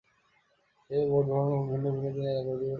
সেই ভোট গ্রহণ পর্ব ভিন্ন ভিন্ন দিনে এলাকাভিত্তিক অনুষ্ঠিত হতে পারে।